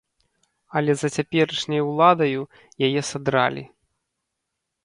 Але за цяперашняй уладаю яе садралі!